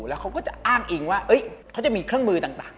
แล้วเขาก็จะอ้างอิงว่าเขาจะมีเครื่องมือต่าง